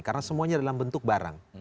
karena semuanya dalam bentuk barang